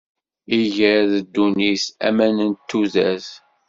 Iger d ddunit, aman d tudert.